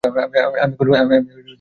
আমি কোনো গল্প জানি না।